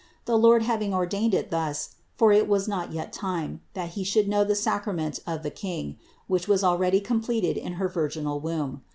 The Lord having ordained it thus, for it was not yet time, that he should know the sacra ment of the King, which was already completed in her virginal womb.